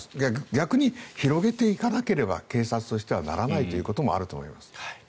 逆に広げていかなければ警察としてはならないということもあると思います。